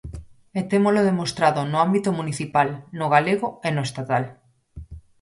E témolo demostrado no ámbito municipal, no galego e no estatal.